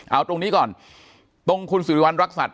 เอาตรงนี้ก่อนตรงคุณศุษย์ธนัยรัฐสัตว์